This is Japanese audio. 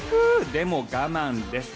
でも我慢です。